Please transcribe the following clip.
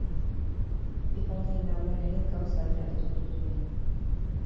Epailearen aurrean ere gauza bera aitortu zuen.